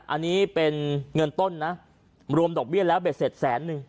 อันนี้เป็นเงินต้นนะรวมดอกเบี้ยแล้วเด็ดเสร็จแสนนึง